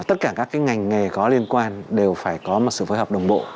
tất cả các ngành nghề có liên quan đều phải có một sự phối hợp đồng bộ